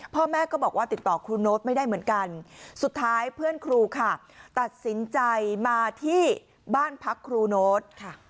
พ่อแม่ก็บอกว่าติดต่อครูโน๊ตไม่ได้เหมือนกันสุดท้ายเพื่อนครูค่ะตัดสินใจมาที่บ้านพักครูโน๊ต